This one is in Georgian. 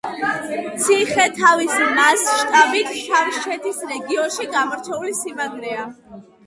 ციხე, თავისი მასშტაბით, შავშეთის რეგიონში გამორჩეული სიმაგრეა.